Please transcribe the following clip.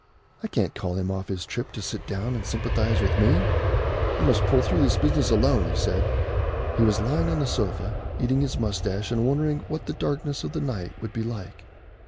"I can't call him off his trip to sit down and sympathise with me. I must pull through this business alone," he said. He was lying on the sofa, eating his moustache and wondering what the darkness of the night would be like.